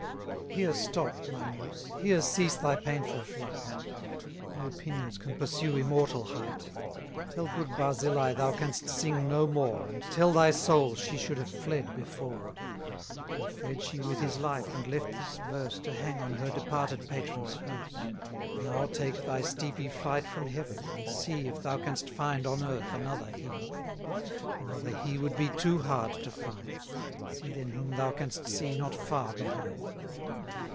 Here stop, my muse, here cease thy painful flight: No pinions can pursue immortal height: Tell good Barzillai thou canst sing no more, And tell thy soul she should have fled before: Or fled she with his life, and left this verse To hang on her departed patron's hearse? Now take thy steepy flight from heaven, and see 860 If thou canst find on earth another he: Another he would be too hard to find; See then whom thou canst see not far behind.